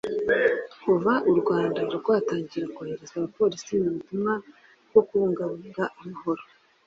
Kuva u Rwanda rwatangira kohereza abapolisi mu butumwa bwo kubungabunga amahoro